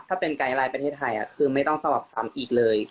ถ้าเป็นไกลลายประเทศไทยคือไม่ต้องสวับซ้ำอีกเลย